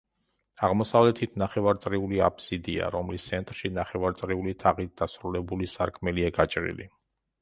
აღმოსავლეთით ნახევარწრიული აფსიდია, რომლის ცენტრში ნახევარწრიული თაღით დასრულებული სარკმელია გაჭრილი.